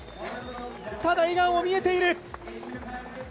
ただ、笑顔も見えている。